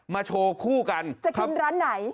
โชว์คู่กันจะกินร้านไหน